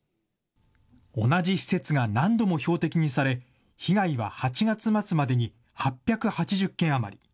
同じ施設が何度も標的にされ、被害は８月末までに８８０件余り。